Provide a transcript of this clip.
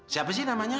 siapa sih namanya